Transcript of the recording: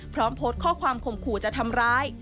พร้อมโพสต์ข้อความข่มขู่จะทำร้าย